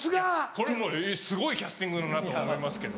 これもうすごいキャスティングだなと思いますけど。